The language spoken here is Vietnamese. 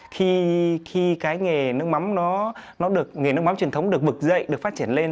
khi cái nghề nước mắm truyền thống được vực dậy được phát triển lên